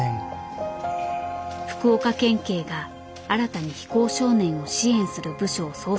福岡県警が新たに非行少年を支援する部署を創設することを知った。